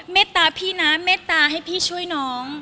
เมตตาพี่นะเมตตาให้พี่ช่วยน้อง